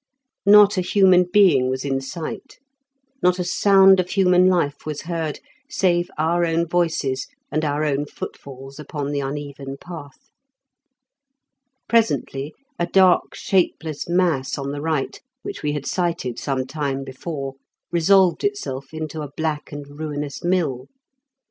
Not a human being was in sight ; not a sound of human life was heard, save our own voices and our own footfalls upon the uneven path. Presently a dark shapeless mass on the right, which we had sighted some time before, resolved itself into a black and ruinous mill.